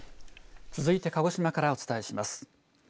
続いて鹿児島からお伝えします。